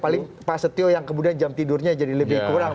paling pak setio yang kemudian jam tidurnya jadi lebih kurang